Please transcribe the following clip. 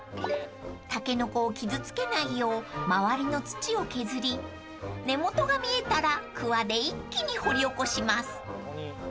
［タケノコを傷つけないよう周りの土を削り根元が見えたらくわで一気に掘り起こします］